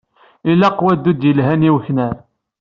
Ilaq waddud yelhan i weknar.